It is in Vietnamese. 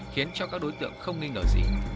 khiến cho các đối tượng không nghi ngờ gì